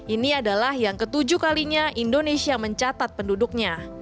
ini adalah yang ketujuh kalinya indonesia mencatat penduduknya